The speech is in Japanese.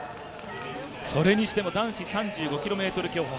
それにしても男子３５ｋｍ競歩